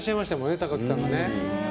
高木さんがね。